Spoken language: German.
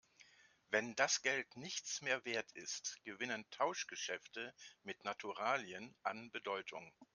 Wenn das Geld nichts mehr Wert ist, gewinnen Tauschgeschäfte mit Naturalien an Bedeutung.